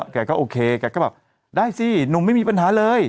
แกก็โอเคแกก็แบบได้สิหนุ่มไม่มีปัญหาเลย